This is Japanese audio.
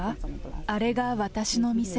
あれが私の店。